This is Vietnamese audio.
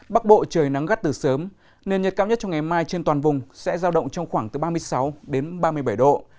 bắc bộ trời nắng gắt từ sớm nên nhiệt cao nhất trong ngày mai trên toàn vùng sẽ giao động trong khoảng từ ba mươi sáu đến ba mươi bảy độ